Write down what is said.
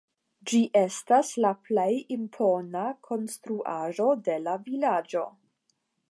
Ĝi estas la plej impona konstruaĵo de la vilaĝo.